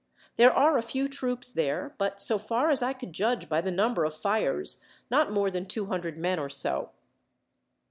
There are a few troops there, but, so far as I could judge by the number of fires, not more than two hundred men or so."